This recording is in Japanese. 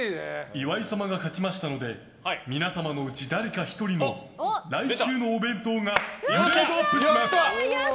岩井様が勝ちましたので皆様のうち誰か１人の来週のお弁当がグレードアップします！